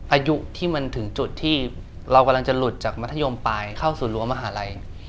อายุที่มันถึงจุดที่เรากำลังจะหลุดจากมัธยมปลายเข้าสู่รั้วมหาลัย